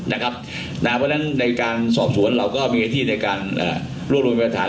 เพราะฉะนั้นในการสอบสวนเราก็มีอธิษฐภัณฑ์ในการลวดรวมแอบฐาน